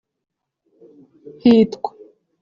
hitwa